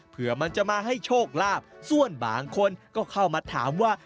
เพื่อมันจะมาให้โชคลาภส่วนบางคนก็เข้ามาถามว่า